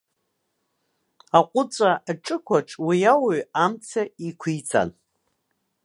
Аҟәыҵәа аҿықәаҿ уи ауаҩ амца еиқәиҵан.